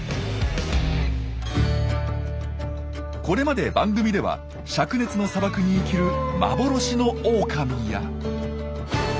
これまで番組では灼熱の砂漠に生きる幻のオオカミや。